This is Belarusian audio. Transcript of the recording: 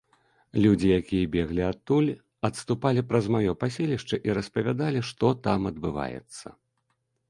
Людзі, якія беглі адтуль, адступалі праз маё паселішча і распавядалі, што там адбываецца.